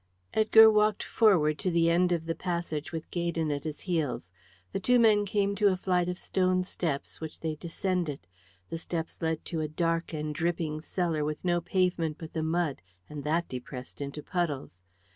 Edgar walked forward to the end of the passage with Gaydon at his heels. The two men came to a flight of stone steps, which they descended. The steps led to a dark and dripping cellar with no pavement but the mud, and that depressed into puddles.